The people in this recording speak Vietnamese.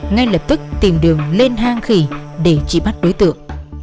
ngay lập tức tìm đường lên hang khỉ để trị bắt đối tượng